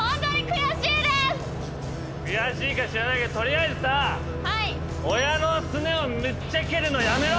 悔しいか知らないけど取りあえずさ親のすねをめっちゃ蹴るの。